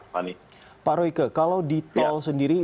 pak royke kalau di tol sendiri